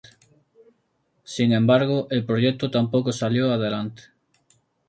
Sin embargo, el proyecto tampoco salió adelante.